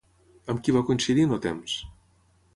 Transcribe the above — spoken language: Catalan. Amb qui va coincidir en el temps?